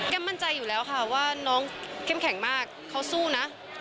มั่นใจอยู่แล้วค่ะว่าน้องเข้มแข็งมากเขาสู้นะ